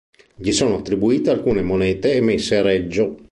Gli sono attribuite alcune monete emesse a Reggio.